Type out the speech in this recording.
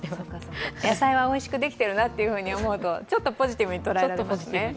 野菜はおいしくできてるなって思うとポジティブに捉えられますね。